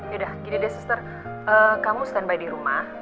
yaudah gini deh suster kamu standby di rumah